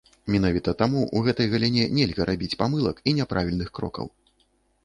Менавіта таму ў гэтай галіне нельга рабіць памылак і няправільных крокаў.